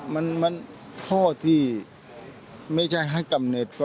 มันข้อที่ไม่ใช่ให้กำเน็ต